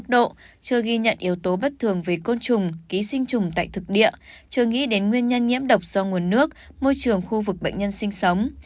côn trùng ký sinh trùng tại thực địa chưa nghĩ đến nguyên nhân nhiễm độc do nguồn nước môi trường khu vực bệnh nhân sinh sống